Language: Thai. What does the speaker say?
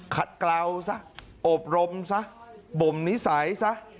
กล่าวซะอบรมซะบ่มนิสัยซะ